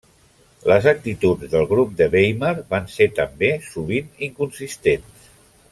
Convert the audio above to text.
Les actituds del grup de Weimar van ser també sovint inconsistents.